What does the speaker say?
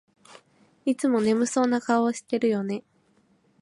いつも眠そうな顔してるよね